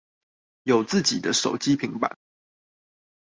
有自己的手機平板